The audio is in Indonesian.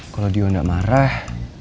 kalau dia gak marah